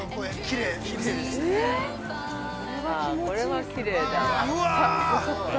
◆これはきれいだわ。